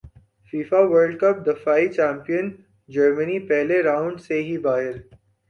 FIFA world cup دفاعی champion Germany پہلے round سے ہی باہر